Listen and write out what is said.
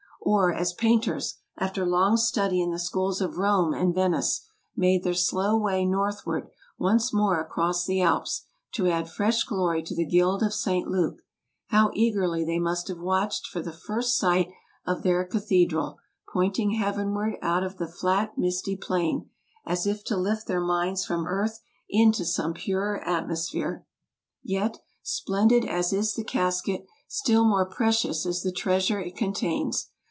Or as painters, after long study in the schools of Rome and Ven ice, made their slow way northward once more across the Alps, to add fresh glory to the Guild of St. Luke, how eagerly they must have watched for the first sight of their cathedral, pointing heavenward out of the flat misty plain, as if to lift their minds from earth into some purer atmos phere ! Yet, splendid as is the casket, still more precious is the treasure it contains.